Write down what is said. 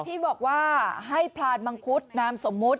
ที่บอกว่าให้พลานมังคุดนามสมมุติ